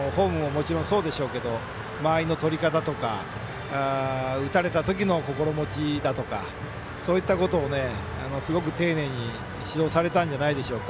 もちろんそうですけど間合いの取り方とか打たれた時の心持ちだとかそういったことを、すごく丁寧に指導されたんじゃないでしょうか。